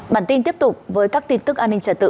bản tin tiếp tục với các tin tức an ninh trật tự